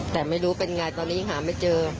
แต่ไม่รู้เป็นอย่างไรตอนนี้หาไม่เจอ